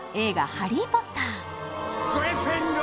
「ハリー・ポッター」